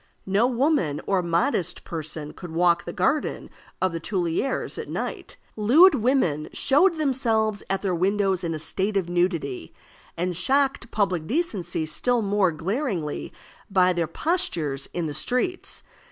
No woman or modest person could walk the garden of the Tuileries at night. Lewd women showed themselves at their windows in a state of nudity, and shocked public decency still more glaringly by their postures in the streets.